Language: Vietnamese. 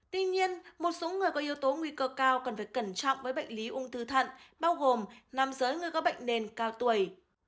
tuy nhiên một số người có yếu tố nguy cơ cao cần phải cẩn trọng với bệnh lý ung thư thận bao gồm nam giới người có bệnh nền cao tuổi